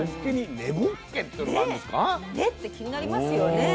根って気になりますよね。